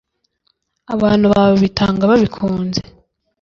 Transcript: Abantu bawe bitanga babikunze,